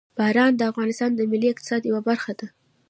باران د افغانستان د ملي اقتصاد یوه برخه ده.